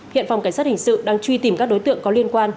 hiện phòng cảnh sát hình sự đang truy tìm các đối tượng có liên quan